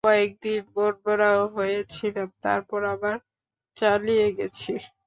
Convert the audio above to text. কয়েক দিন মনমরা হয়ে ছিলাম তারপর আবার চালিয়ে গেছি।